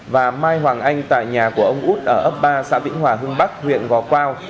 và mai hoàng anh tại nhà của ông út ở ấp ba xã vĩnh hòa hưng bắc huyện gò quao